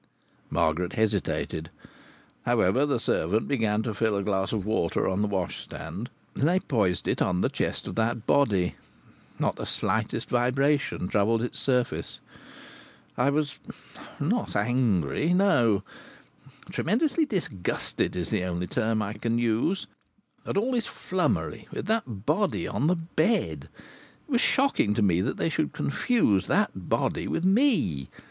Margaret hesitated. However, the servant began to fill a glass of water on the washstand, and they poised it on the chest of that body. Not the slightest vibration troubled its surface. I was not angry; no, tremendously disgusted is the only term I can use at all this flummery with that body on the bed. It was shocking to me that they should confuse that body with me.